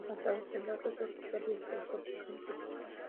Basadas en datos oficiales del fabricante.